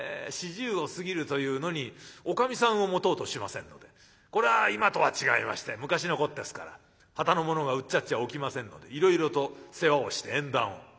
４０を過ぎるというのにおかみさんを持とうとしませんのでこれは今とは違いまして昔のことですからはたの者がうっちゃっちゃおきませんのでいろいろと世話をして縁談を。